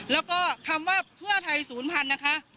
แล้วก็คำว่าเพื่อไทยศูนย์พันธุ์นะคะ